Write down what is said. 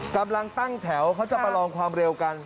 กำลังตั้งแถวเขาจะประลองความเร็วกัน